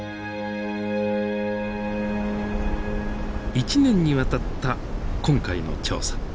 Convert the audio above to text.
一年にわたった今回の調査。